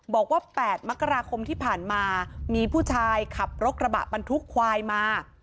บอกว่า๘มกราคมที่ผ่านมามีผู้ชายขับรถกระบะบรรทุกควายมา